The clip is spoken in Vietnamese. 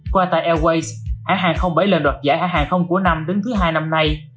qua tại airways hãng hàng không bảy lần đoạt giải hãng hàng không của năm đến thứ hai năm nay